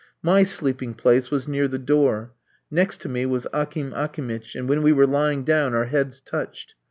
My sleeping place was near the door. Next to me was Akim Akimitch, and when we were lying down our heads touched.